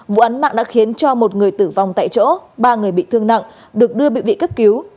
vụ án mạng đã khiến cho một người tử vong tại chỗ ba người bị thương nặng được đưa bị vị cấp cứu